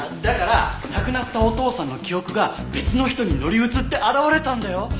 だから亡くなったお父さんの記憶が別の人に乗り移って現れたんだよ。